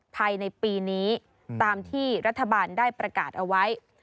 ภายในปีนี้ตามที่รัฐบาลได้ประกาศเอาไว้